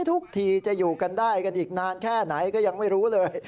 ทุกทีจะอยู่กันได้กันอีกนานแค่ไหนก็ยังไม่รู้เลย